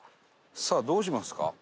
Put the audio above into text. さあどうしますか？